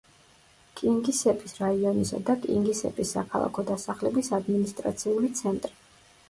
კინგისეპის რაიონისა და კინგისეპის საქალაქო დასახლების ადმინისტრაციული ცენტრი.